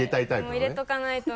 もう入れとかないと。